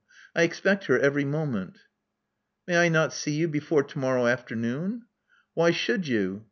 I expect her every moment. " May I not see you before to morrow afternoon?" "Why should you?